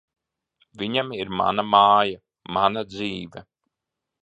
Viņam ir mana māja, mana dzīve.